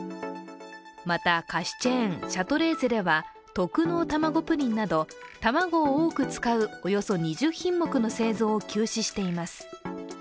また、菓子チェーン、シャトレーゼでは特濃たまごプリンなど卵を多く使うおよそ２０品目の製造を中止しています。